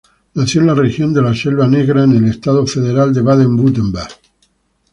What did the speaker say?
Nació en la región de la Selva Negra, en el estado federal de Baden-Wurtemberg.